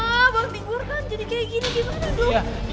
ah bang tigor kan jadi kaya gini gimana dong